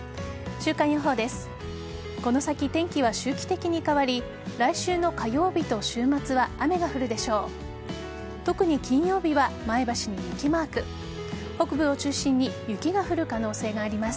週間予報です。